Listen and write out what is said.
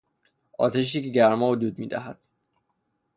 آتشی که گرما و دود میدهد